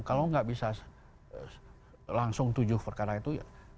kalau nggak bisa langsung tujuh perkara itu ya